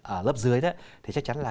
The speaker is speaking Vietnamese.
ở lớp dưới thì chắc chắn là